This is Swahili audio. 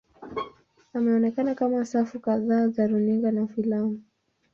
Ameonekana katika safu kadhaa za runinga na filamu.